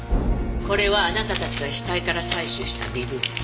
これはあなたたちが死体から採取した微物。